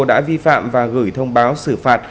đã vi phạm và gửi thông báo xử phạt